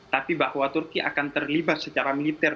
tapi bahwa turki akan terlibat secara militer